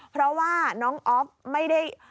เพราะว่าน้องอ๊อฟไม่ได้